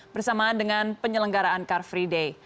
bersamaan dengan penyelenggaraan car free day